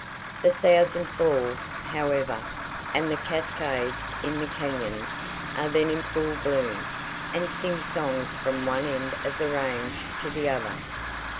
The thousand falls, however, and the cascades in the cañons are then in full bloom, and sing songs from one end of the range to the other.